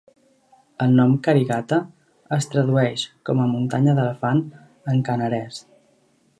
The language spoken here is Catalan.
El nom "Karighatta" es tradueix com "muntanya d'elefant" en kanarès.